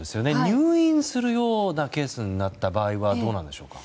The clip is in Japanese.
入院するようなケースになった場合はどうなんでしょうか？